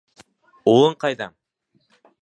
Улың ҡайҙа?